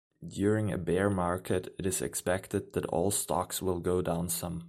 During a bear market it is expected that all stocks will go down some.